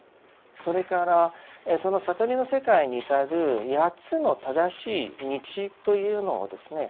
それからその悟りの世界に至る八つの正しい道というのをですね